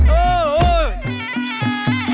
โหทีพ